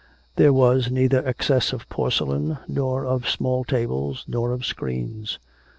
There was neither excess of porcelain, nor of small tables, nor of screens.